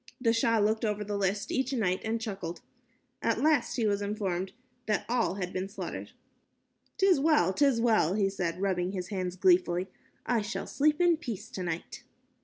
The Shah looked over the list each night and chuckled. At last he was informed that all had been slaughtered. "'Tis well, 'tis well," he said, rubbing his hands, gleefully, "I shall sleep in peace tonight."